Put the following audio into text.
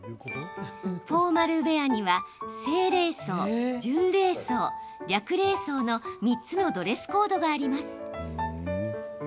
フォーマルウェアには正礼装、準礼装、略礼装の３つのドレスコードがあります。